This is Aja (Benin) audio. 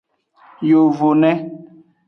Yovone.